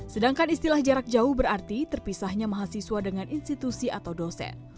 sedangkan istilah jarak jauh berarti terpisahnya mahasiswa dengan institusi atau dosen